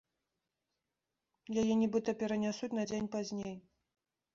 Яе нібыта перанясуць на дзень пазней.